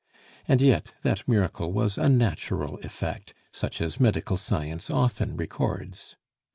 And yet that miracle was a natural effect, such as medical science often records.